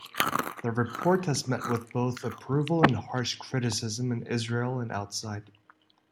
The report has met with both approval and harsh criticism in Israel and outside.